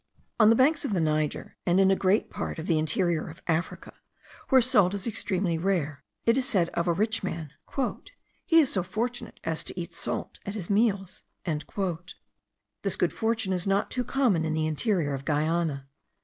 On the banks of the Niger, and in a great part of the interior of Africa, where salt is extremely rare, it is said of a rich man, "he is so fortunate as to eat salt at his meals." This good fortune is not too common in the interior of Guiana.